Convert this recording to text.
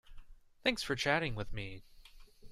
Thanks for chatting with me.